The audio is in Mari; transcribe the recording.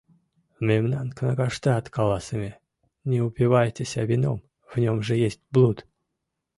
Мемнан кнагаштат каласыме: «Не упивайтеся вином, в нем же есть блуд».